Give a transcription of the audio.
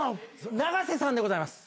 長瀬さんでございます。